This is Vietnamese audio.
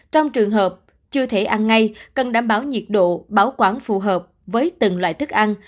trong trường hợp chưa thể ăn ngay cần đảm bảo nhiệt độ bảo quản phù hợp với từng loại thức ăn